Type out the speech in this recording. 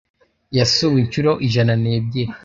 Yasuwe inshuro ijana nebyiri